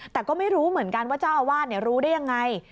แต่ก็ไม่รู้เหมือนกันว่าเจ้าอาวาสรู้ได้ยังไง